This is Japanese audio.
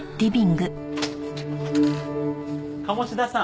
鴨志田さん